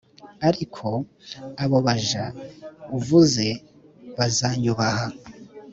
ariko abo baja uvuze bazanyubaha.